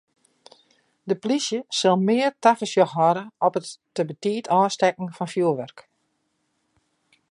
De polysje sil mear tafersjoch hâlde op it te betiid ôfstekken fan fjurwurk.